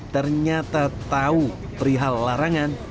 ternyata tahu perihal larangan